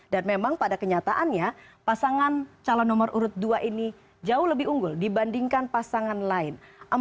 dan memang pada kenyataannya pasangan calon nomor urut dua ini jauh lebih unggul dibandingkan pasangan lain